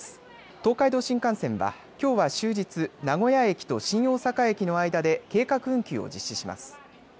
東海道新幹線は、きょうは終日名古屋駅と新大阪駅の間で計画運休を実施します。